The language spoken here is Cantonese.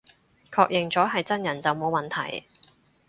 確認咗係真人就冇問題